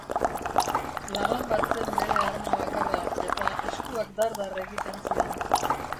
Laban bat zen bere arma bakarra, eta eskuak dar-dar egiten zion.